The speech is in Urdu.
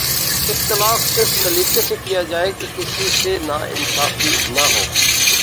اختلاف اس سلیقے سے کیا جائے کہ کسی سے ناانصافی نہ ہو